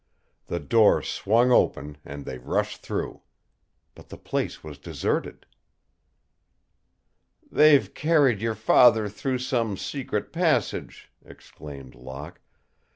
The door swung open and they rushed through. But the place was deserted. "They've carried your father through some secret passage," exclaimed Locke.